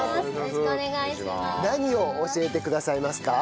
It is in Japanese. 何を教えてくださいますか？